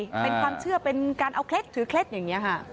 เป็นความเชื่อเป็นการเอาเคล็ดถือเคล็ดอย่างนี้ค่ะ